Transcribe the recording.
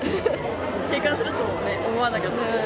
閉館すると思わなかったです。